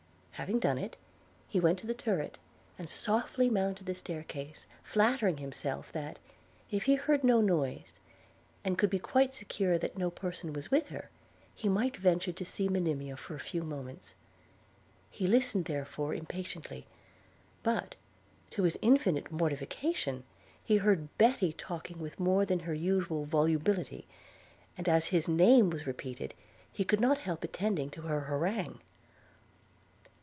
Having done it, he went to the turret, and softly mounted the stair case, flattering himself that, if he heard no noise, and could be quite secure that no person was with her, he might venture to see Monimia for a few moments. He listened therefore impatiently; but, to his infinite mortification, heard Betty talking with more than her usual volubility; and as his name was repeated, he could not help attending to her harangue.